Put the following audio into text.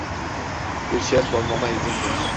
Bir şey sormama izin ver.